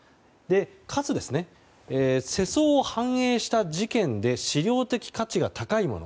かつ世相を反映した事件で資料的価値が高いもの。